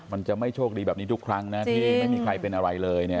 มันจะไม่โชคดีแบบนี้ทุกครั้งนะที่ไม่มีใครเป็นอะไรเลยเนี่ย